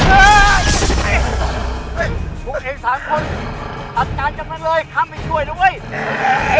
พวกเองสามคนจัดการกันมาเลยข้ามไปช่วยนะเว้ย